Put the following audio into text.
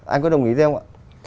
anh có đồng ý thế không ạ